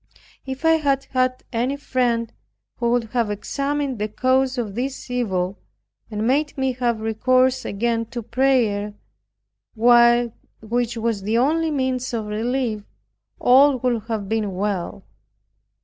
If I had had any friend, who would have examined the cause of this evil, and made me have recourse again to prayer, which was the only means of relief, all would have been well.